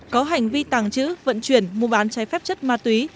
có hành vi tàng trữ vận chuyển mua bán trái phép chất ma túy